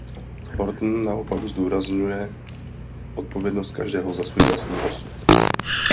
Thornton naopak zdůrazňuje odpovědnost každého za svůj vlastní osud.